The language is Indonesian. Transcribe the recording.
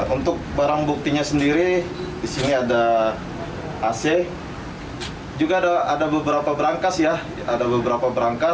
untuk barang buktinya sendiri di sini ada ac juga ada beberapa berangkas ya ada beberapa berangkas